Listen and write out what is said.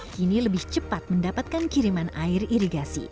kini lebih cepat mendapatkan kiriman air irigasi